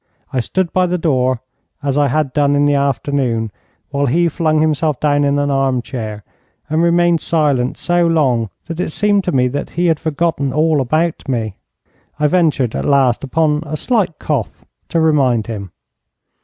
I stood by the door, as I had done in the afternoon, while he flung himself down in an arm chair, and remained silent so long that it seemed to me that he had forgotten all about me. I ventured at last upon a slight cough to remind him.